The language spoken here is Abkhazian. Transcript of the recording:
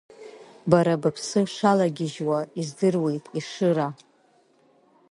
Бара быԥсы шахагьежьуа здыруеит Ешыра.